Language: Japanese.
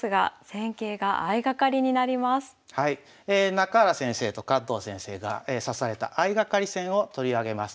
中原先生と加藤先生が指された相がかり戦を取り上げます。